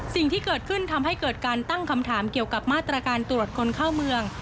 สิ่งที่เกิดขึ้นทำให้เกิดการตั้งคำถามเกี่ยวกับมาตรการตรวจคนเข้าเมือง